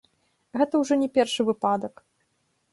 Гэта ўжо не першы выпадак.